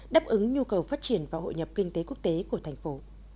đáp ứng nhu cầu phát triển và hội nhập kinh tế quốc tế của thành phố